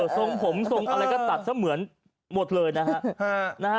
ส่งผมส่งอะไรก็สั้นเหมือนหมดเลยนะครับ